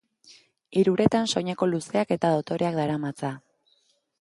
Hiruretan soineko luzeak eta dotoreak daramatza.